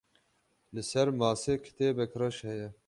Li ser masê kitêbek reş heye.